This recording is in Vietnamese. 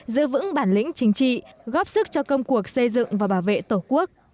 giữ vững bản lĩnh chính trị góp sức cho công cuộc xây dựng và bảo vệ tổ quốc